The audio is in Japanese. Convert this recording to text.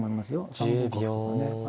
３五角とかね。